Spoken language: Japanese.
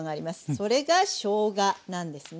それがしょうがなんですね。